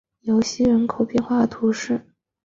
于西人口变化图示